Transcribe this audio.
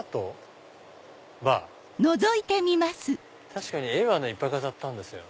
確かに絵はいっぱい飾ってあるんですよ。